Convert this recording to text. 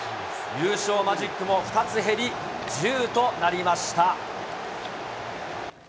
優勝マジックも２つ減り、１０となりました。